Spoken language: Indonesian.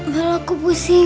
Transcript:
malah aku pusing